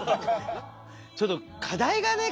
ちょっと課題がね